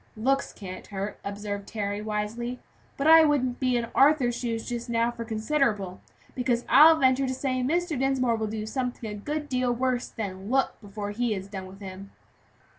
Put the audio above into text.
"Looks can't hurt," observed Harry, wisely; "but I wouldn't be in Arthur's shoes just now for considerable; because I'll venture to say Mr. Dinsmore will do something a good deal worse than look, before he is done with him."